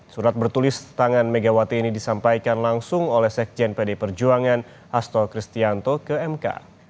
surat bertulis tangan megawati ini disampaikan langsung oleh sekjen pd perjuangan asto kristianto ke mk